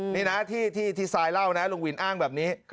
นี่นะที่ซายเล่านะลุงวินอ้างแบบนี้